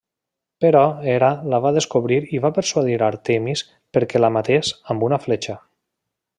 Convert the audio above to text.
Però Hera la va descobrir i va persuadir Àrtemis perquè la matés amb una fletxa.